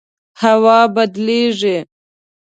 هوا بدلیږي